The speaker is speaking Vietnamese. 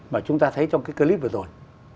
mà chúng ta thấy trong cái clip vừa rồi